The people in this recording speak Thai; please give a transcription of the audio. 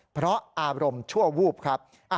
เพราะอารมณ์ชั่ววูบครับ